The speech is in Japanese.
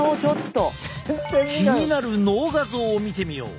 気になる脳画像を見てみよう。